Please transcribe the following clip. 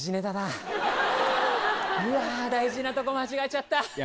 うわ大事なとこ間違えちゃった。